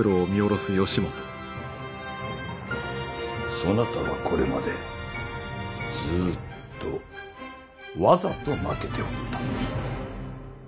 そなたはこれまでずっとわざと負けておった。